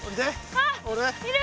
あっ。